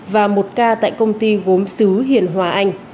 và một ca tại công ty gốm xứ hiền hòa anh